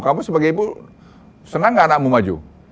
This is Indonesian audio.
kamu sebagai ibu senang gak anakmu maju